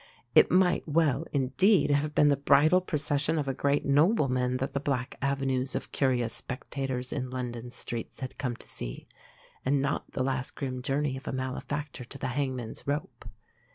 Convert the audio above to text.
It might well, indeed, have been the bridal procession of a great nobleman that the black avenues of curious spectators in London's streets had come to see, and not the last grim journey of a malefactor to the hangman's rope.